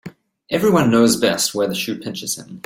Every one knows best where the shoe pinches him.